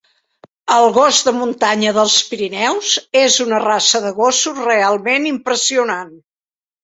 El gos de muntanya dels Pirineus és una raça de gossos realment impressionant.